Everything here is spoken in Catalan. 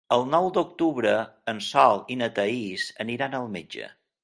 El nou d'octubre en Sol i na Thaís aniran al metge.